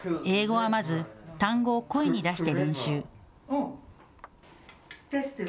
英語はまず単語を声に出して練習。